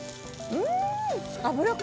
うん。